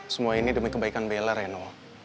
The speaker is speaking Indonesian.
semua ini demi kebaikan beller reno